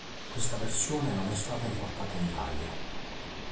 Questa versione non è stata importata in Italia.